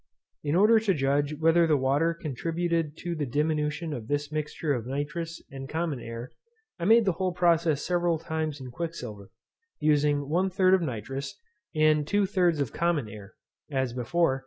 In order to judge whether the water contributed to the diminution of this mixture of nitrous and common air, I made the whole process several times in quicksilver, using one third of nitrous, and two thirds of common air, as before.